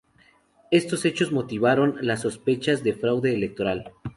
Estos hechos motivaron las sospechas de fraude electoral.